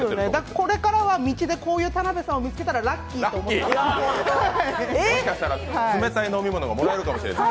これからは道でこういう田辺さんを見つけたらラッキーと思ってください。